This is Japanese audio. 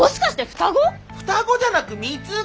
双子じゃなく３つ子！